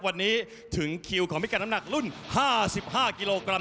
วันนี้ถึงคิวของพิกัดน้ำหนักรุ่น๕๕กิโลกรัม